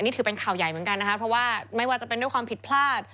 นี่ถือเป็นข่าวใหญ่เหมือนกันนะคะเพราะว่าไม่ว่าจะเป็นด้วยความผิดพลาด